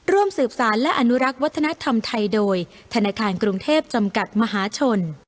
ร่วมสืบสารและอนุรักษ์วัฒนธรรมไทยโดยธนาคารกรุงเทพจำกัดมหาชน